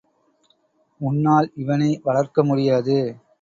உன்னால் இவனை வளர்க்க முடியாது.